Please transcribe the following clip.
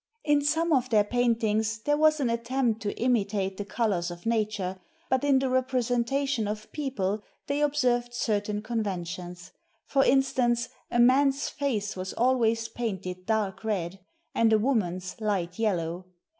In some of their paintings there was an attempt to imitate the colors of nature, but in the representation of people they observed certain conventions; for instance, a man's face was always painted dark red and a woman's light yellow.